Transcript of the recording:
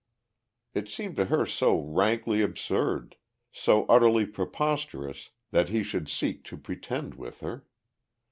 It seemed to her so rankly absurd, so utterly preposterous that he should seek to pretend with her.